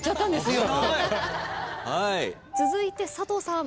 続いて佐藤さん。